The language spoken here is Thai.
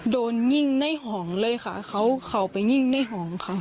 โดนยิ่งในห่องเลยค่ะเขาเข้าไปยิ่งในห่องค่ะ